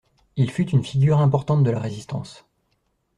Il fut une figure importante de la Résistance.